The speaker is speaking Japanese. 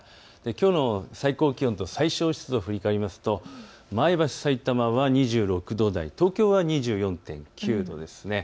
きょうの最高気温と最小湿度を振り返りますと前橋、さいたまは２６度台、東京は２４．９度です。